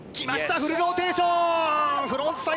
フルローテーション。